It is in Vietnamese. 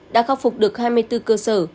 đã khắc phục được hai mươi bốn cơ sở